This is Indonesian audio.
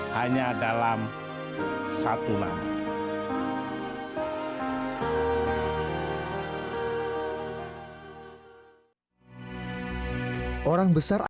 hanya dalam satu nama